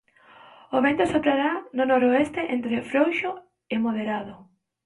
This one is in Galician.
O vento soprará do noroeste entre frouxo e moderado.